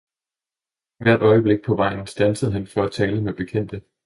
hvert øjeblik på vejen standsede han for at tale med bekendte.